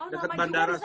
dekat bandara soalnya